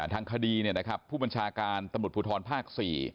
ทางคดีผู้บัญชาการตำรวจภูทรภาค๔